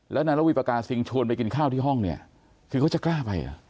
แล้วนายระวีปากาซิงชวนไปกินข้าวที่ห้องเนี่ยคือเขาจะกล้าไปเหรอ